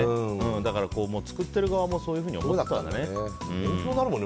だから、作ってる側もそういうふうに思ってたんだね。